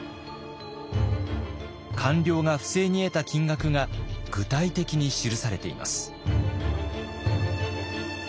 官僚が不正に得た金額が具体的に記されています。